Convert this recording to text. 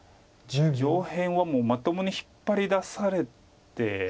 上辺はもうまともに引っ張り出されて。